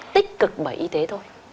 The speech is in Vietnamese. tích cực bởi y tế thôi